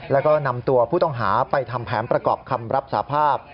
แล้วก็นำตัวผู้ต้องหาไปทำแผนประกอบคำรับสาภาพ